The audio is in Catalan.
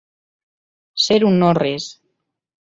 Ser un no res.